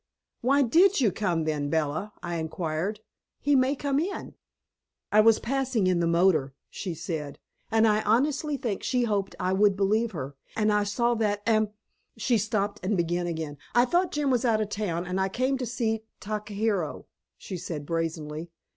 "Why DID you come, then, Bella?" I inquired. "He may come in." "I was passing in the motor," she said, and I honestly think she hoped I would believe her, "and I saw that am " She stopped and began again. "I thought Jim was out of town, and I came to see Takahiro," she said brazenly.